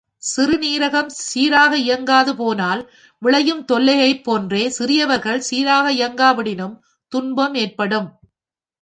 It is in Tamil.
சிறுநீரகம் சீராக இயங்காது போனால் விளையும் தொல்லையைப் போன்றே சிறியவர்கள் சீராக இயங்காவிடினும் துன்பம் ஏற்படும்.